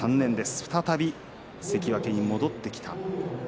再び関脇に戻ってきた。